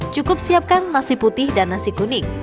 cukup siapkan nasi putih dan nasi kuning